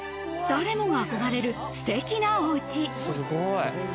誰もが憧れる、すてきなおうち。